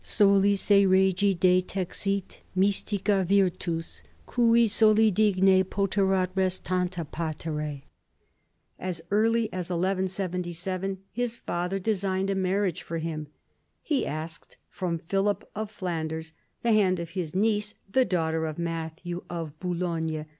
Soli se regi detexit mystica virtus, Cui soli digne poterat res tanta patere. As early as 1177 his father designed a marriage for him. He asked from Philip of Flanders the hand of his niece, the daughter of Matthew of Boulogne.